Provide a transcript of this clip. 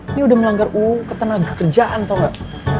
ini udah melanggar uu ketenaga kerjaan tau gak